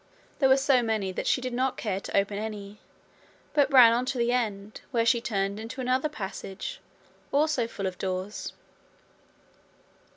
There were so many that she did not care to open any, but ran on to the end, where she turned into another passage, also full of doors.